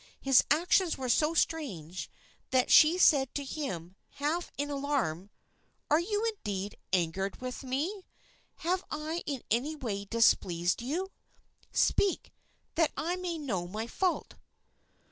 His actions were so strange that she said to him, half in alarm: "Are you, indeed, angered with me? Have I in any way displeased you? Speak, that I may know my fault!"